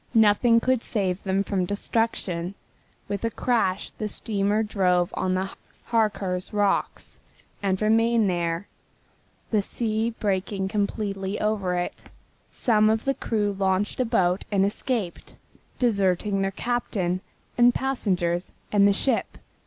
Nothing could save them from destruction. With a crash the steamer drove on the Harcars rocks and remained there, the seas breaking completely over it. Some of the crew launched a boat and escaped, deserting their captain, the passengers and the ship.